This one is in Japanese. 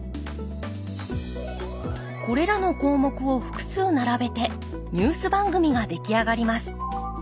これらの項目を複数並べてニュース番組が出来上がります。